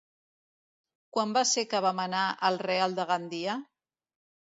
Quan va ser que vam anar al Real de Gandia?